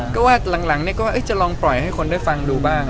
ก็ว่าหลังก็จะลองปล่อยให้คนได้ฟังดูบ้าง